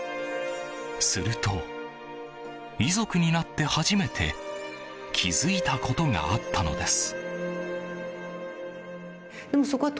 すると、遺族になって初めて気づいたことがあったのです。